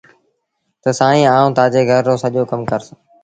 تا سائيٚݩ آئوݩ تآجي گھر رو سڄو ڪم ڪرس